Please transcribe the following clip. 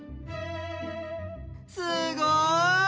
すごい！